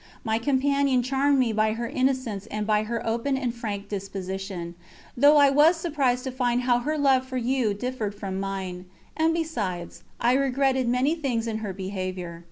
My companion charmed me by her innocence and by her open and frank disposition, though I was surprised to find how her love for you differed from mine; and besides, I regretted many things in her behaviour.